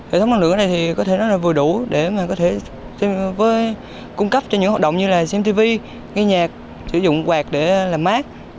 hệ thống năng lượng này có thể vừa đủ để cung cấp cho những hoạt động như xem tivi nghe nhạc sử dụng quạt để làm mát